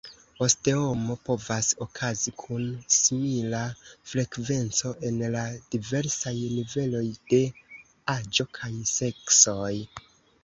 Osteomo povas okazi kun simila frekvenco en la diversaj niveloj de aĝo kaj seksoj.